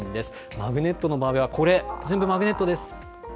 マグネットの場合はこれ、全部マグネットです。